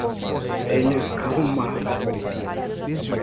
Tenha calma